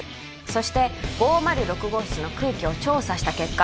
そして５０６号室の空気を調査した結果